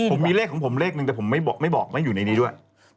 ผมมีเลขของผมเลขหนึ่งแต่ผมไม่บอกไม่อยู่ในนี้ด้วย